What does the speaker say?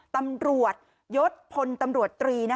ตำรวจยศพลตำรวจตรี